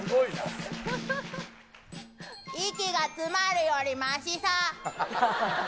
息が詰まるよりましさ。